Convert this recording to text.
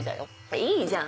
いいじゃん。